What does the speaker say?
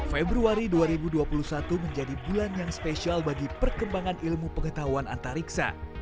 februari dua ribu dua puluh satu menjadi bulan yang spesial bagi perkembangan ilmu pengetahuan antariksa